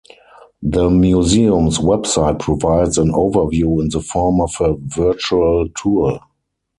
The museum's website provides an overview in the form of a virtual tour.